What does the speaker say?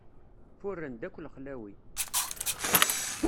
Furren-d akk lexlawi.